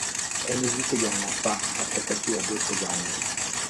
Elle n'hésite également pas à s'attaquer à d'autres araignées.